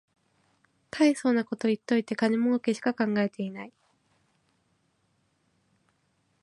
たいそうなこと言っといて金もうけしか考えてない